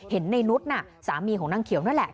ในนุษย์น่ะสามีของนางเขียวนั่นแหละ